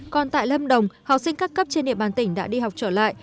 còn tại lâm đồng học sinh các cấp trên địa bàn tỉnh đã đi học trở lại